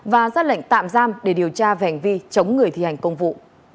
và ra lệnh tạm giam để điều tra vẻnh vi chống người thi hành công vụ